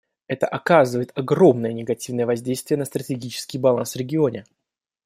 Это оказывает огромное негативное воздействие на стратегический баланс в регионе.